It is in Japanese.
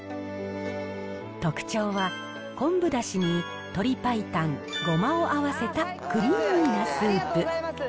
特徴は、昆布だしに、鶏白湯、ごまを合わせたクリーミーなスープ。